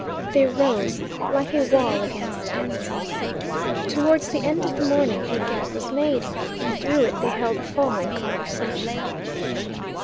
They rose like a wall against Ansell. Towards the end of the morning a gap was made, and through it they held the following conversation.